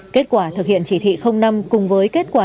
kết quả thực hiện chỉ thị năm cùng với kết quả